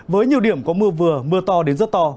với nhiều điểm có mưa vừa mưa to đến rất to